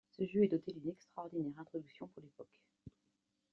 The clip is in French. Ce jeu est doté d'une extraordinaire introduction pour l'époque.